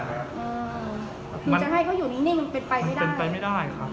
คือจะให้เขาอยู่นิ่งมันเป็นไปไม่ได้เป็นไปไม่ได้ครับ